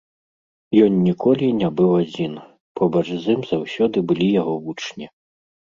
Ён ніколі не быў адзін, побач з ім заўсёды былі яго вучні.